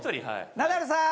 ナダルさん！